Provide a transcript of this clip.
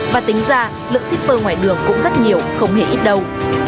và tính ra lượng shipper ngoài đường cũng rất nhiều không hề ít đâu